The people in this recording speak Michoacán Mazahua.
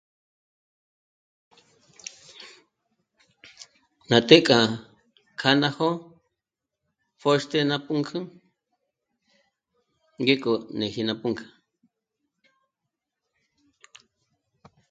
Ná të́'ë k'a ná jó'o pjö̀xtü ná pǔnk'ü ngéko néji ná pǔnk'ü